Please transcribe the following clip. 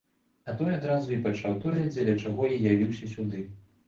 А той адразу і пачаў тое, дзеля чаго і явіўся сюды.